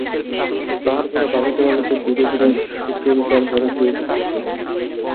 তাহার পরে ভাবিতে ভাবিতে ধীরে ধীরে সুচরিতার ঘরে গিয়া উপস্থিত হইলেন।